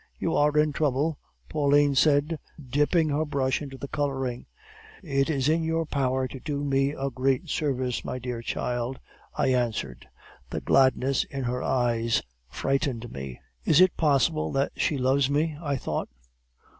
"'You are in trouble?' Pauline said, dipping her brush into the coloring. "'It is in your power to do me a great service, my dear child,' I answered. "The gladness in her eyes frightened me. "'Is it possible that she loves me?' I thought.